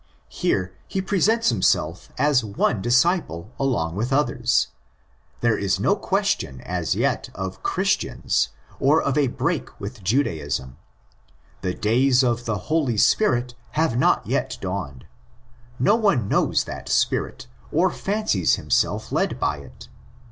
Here he presents himself as one "' disciple"' along with others. There is no question as yet of '' Christians," or of a break with Judaism. The days of the '' Holy Spirit'' have not yet dawned. No one knows that Spirit, or fancies himself led by it.